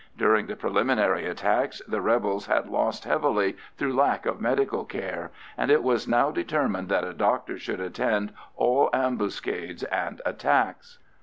During the preliminary attacks the rebels had lost heavily through lack of medical care, and it was now determined that a doctor should attend all ambuscades and attacks.